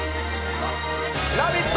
「ラヴィット！」